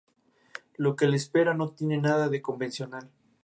Lo que le espera no tiene nada de convencional.